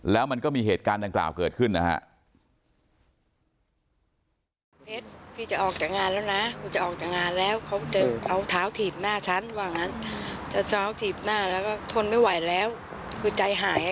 แล้วมันก็มีเหตุการณ์ดังกล่าวเกิดขึ้นนะฮะ